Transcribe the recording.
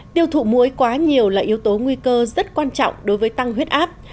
tiêu thụ muối quá nhiều là yếu tố nguy cơ rất quan trọng đối với tăng huyết áp